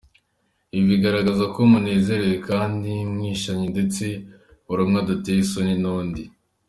Ibi bigaragaza ko munezerewe kandi mwishimanye ndetse buri umwe adatewe isoni n’undi.